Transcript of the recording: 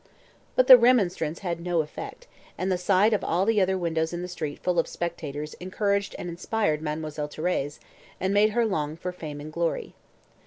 But the remonstrance had no effect, and the sight of all the other windows in the street full of spectators encouraged and inspired Mademoiselle Thérèse, and made her long for fame and glory.